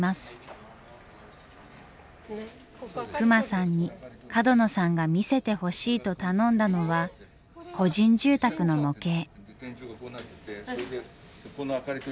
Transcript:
隈さんに角野さんが見せてほしいと頼んだのは個人住宅の模型。